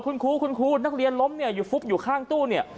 คุณครูคุณครูนักเรียนล้มเนี่ยอยู่ฟุบอยู่ข้างตู้เนี่ย